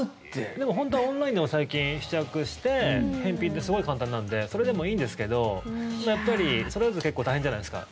でも本当はオンラインでも最近、試着して返品ってすごい簡単なんでそれでもいいですけどやっぱり、それだと結構大変じゃないですか。